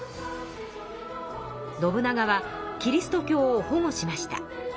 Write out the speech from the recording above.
信長はキリスト教を保護しました。